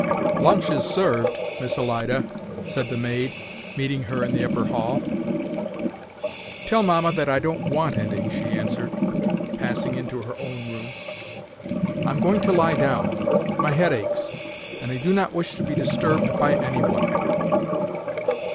"Lunch is served, Miss Alida," said the maid, meeting her in the upper hall. "Tell mamma that I don't want any," she answered, passing into her own room. "I'm going to lie down. My head aches, and I do not wish to be disturbed by any one."